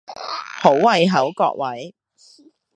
好胃口各位！